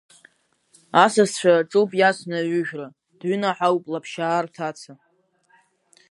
Асасцәа аҿуп иасны аҩыжәра, дҩынаҳауп Лаԥшьаа рҭаца.